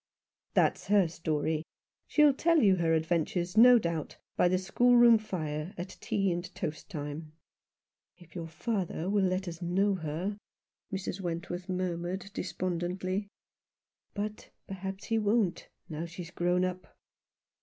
" That's her story. She'll tell you her adventures, no doubt, by the schoolroom fire, at tea and toast time." "If your father will let us know her/' Mrs. Wenrworth murmured, despondently ;" but perhaps he won't, now she's grown up."